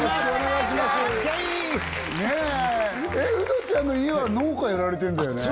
えっウドちゃんの家は農家やられてんだよね？